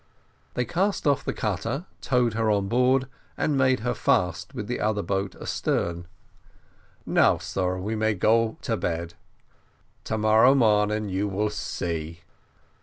They cast off the cutter, towed her on board, and made her fast with the other boat astern. "Now, sar, we may go to bed; to morrow morning you will see."